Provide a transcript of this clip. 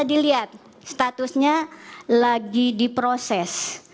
dilihat statusnya lagi diproses